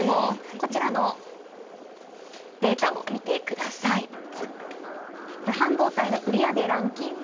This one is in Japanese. これ半導体の売り上げランキング。